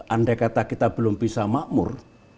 andai kata kita belum bisa makmur